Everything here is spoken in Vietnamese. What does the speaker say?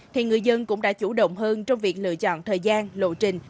thì người dân cũng đã chủ động hơn trong việc lựa chọn thời gian lộ trình